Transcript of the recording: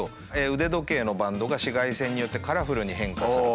腕時計のバンドが紫外線によってカラフルに変化すると。